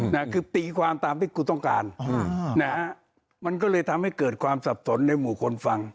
นะคือตีความตามที่กูต้องการอืมนะฮะมันก็เลยทำให้เกิดความสับสนในหมู่คนฟัง